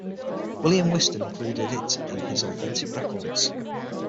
William Whiston included it in his Authentic Records.